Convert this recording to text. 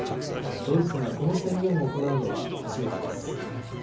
ドイツがこの宣言を行うのは初めてです。